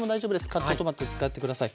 カットトマト使って下さい。